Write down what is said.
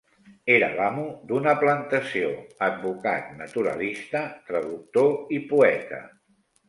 Era l'amo d'una plantació, advocat, naturalista, traductor i poeta.